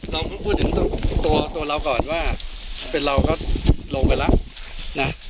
ต้องพูดถึงตัวเราก่อนว่าเป็นเราก็ลงไปแล้วนะ